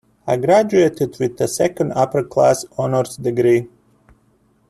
I graduated with a second upper-class honours degree.